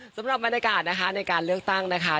สำหรับบรรยากาศนะคะในการเลือกตั้งนะคะ